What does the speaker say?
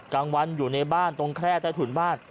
กลางวันอยู่ในบ้านตรงแคร่ใต้ถุนบ้าน